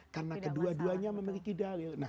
karena kedua duanya memiliki dalil